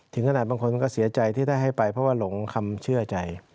ถึงขนาดบางคนก็เสียใจที่ได้ให้ไปเพราะว่าหลงคำเชื่อใจ